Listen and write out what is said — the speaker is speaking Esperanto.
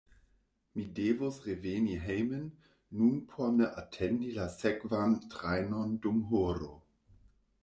Mi devus reveni hejmen nun por ne atendi la sekvan trajnon dum horo.